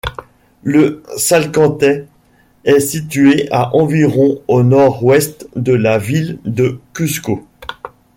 Le Salcantay est situé à environ au nord-ouest de la ville de Cusco.